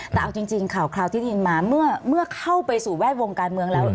แต่เอาจริงข่าวที่ได้ยินมาเมื่อเข้าไปสู่แวดวงการเมืองแล้ว